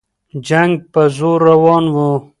جنګ په زور روان وو.